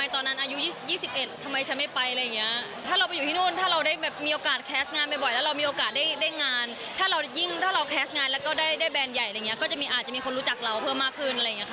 ทำไมตอนนั้นอายุ๒๑